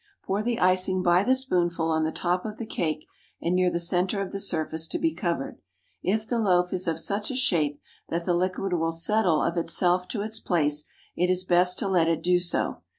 Pour the icing by the spoonful on the top of the cake and near the centre of the surface to be covered. If the loaf is of such a shape that the liquid will settle of itself to its place, it is best to let it do so.